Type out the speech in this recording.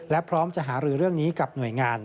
และพร้อมจะหารือเรื่องนี้กับหน่วยงาน